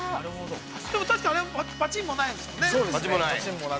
確かにねパチンもないですよね。